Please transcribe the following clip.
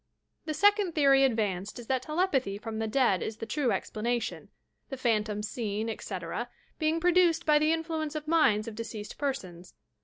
The second theory advanced is that telepathy from the dead is the true explanation — the phantoms fieen, etc., being produced by the influence of minds of de ceased persons.